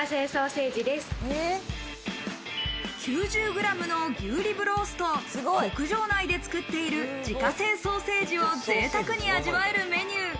９０ｇの牛リブロースと牧場内で作っている自家製ソーセージをぜいたくに味わえるメニュー。